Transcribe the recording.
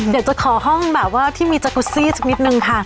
เดี๋ยวจะขอห้องแบบว่าที่มีจักรุซี่สักนิดนึงค่ะ